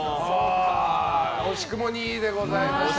惜しくも２位でございました。